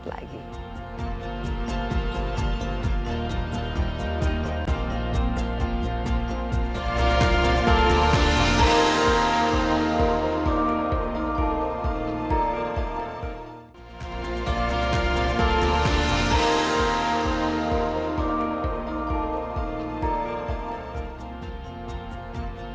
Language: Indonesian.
masa terakhir butik malam